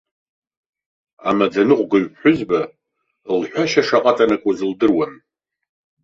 Амаӡаныҟәгаҩ ԥҳәызба лҳәашьа шаҟа аҵанакуаз лдыруан.